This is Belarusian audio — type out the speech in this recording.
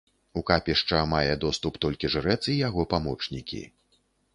У капішча мае доступ толькі жрэц і яго памочнікі.